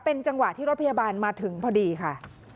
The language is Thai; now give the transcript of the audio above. เป็นจังหวะที่รถพยาบาลมาถึงพอดีค่ะ